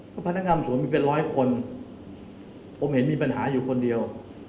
เพราะพนักงานสวนมีเป็นร้อยคนผมเห็นมีปัญหาอยู่คนเดียว